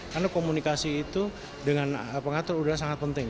karena komunikasi itu dengan pengatur udara sangat penting